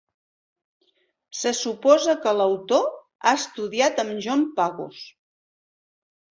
Se suposa que l'autor ha estudiat amb John Pagus.